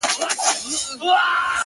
زه به له خپل دياره ولاړ سمه.